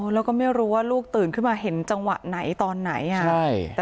แล้วก็ไม่รู้ว่าลูกตื่นขึ้นมาเห็นจังหวะไหนตอนไหน